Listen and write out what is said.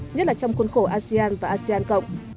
nhất là trong khuôn khổ asean và asean